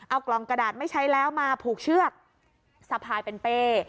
เอากล่องกระดาษไม่ใช้แล้วมาผูกเชือกสะพายเป็นเป้